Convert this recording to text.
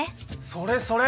それそれ！